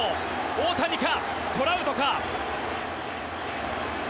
大谷かトラウトか。